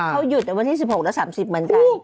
เขาหยุดวันที่๑๖และ๓๐เมื่อไหร่